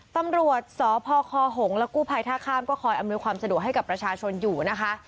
ตำรวจสพคหงและกู้ภัยท่าข้ามก็คอยอำนวยความสะดวกให้กับประชาชนอยู่นะคะ